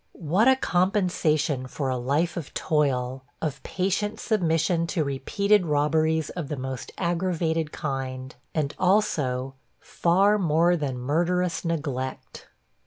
What a compensation for a life of toil, of patient submission to repeated robberies of the most aggravated kind, and, also, far more than murderous neglect!!